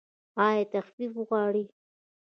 ایا تخفیف غواړئ؟